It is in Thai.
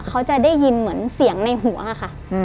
เขาจะได้ยินเสียงในหัวค่ะ